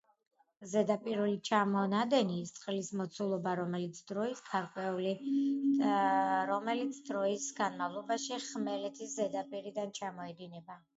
ზედაპირული ჩამონადენი- წყლის მოცულობა, რომელიც დროის გარკვეულ რომელიც დროის განმავლობში ხმელეთის ზედაპირიდან ჩამოედინება